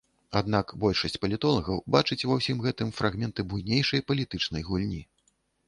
Аднак большасць палітолагаў бачыць ва ўсім гэтым фрагменты буйнейшай палітычнай гульні.